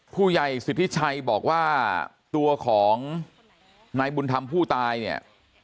สิทธิชัยบอกว่าตัวของนายบุญธรรมผู้ตายเนี่ย